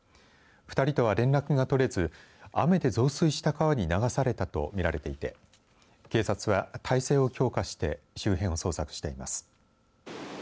２人とは連絡が取れず雨で増水した川に流されたと見られていて警察は態勢を強化して周辺を捜索しています。